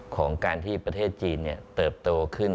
ของการที่ประเทศจีนเติบโตขึ้น